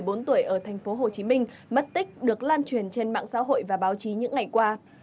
cáu gái một mươi bốn tuổi ở tp hồ chí minh mất tích được lan truyền trên mạng xã hội và báo chí những ngày qua